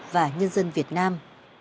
và nhân dân việt nam